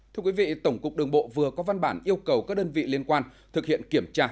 thưa quý vị tổng cục đường bộ vừa có văn bản yêu cầu các đơn vị liên quan thực hiện kiểm tra